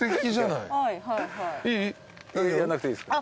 いい？やんなくていいですか？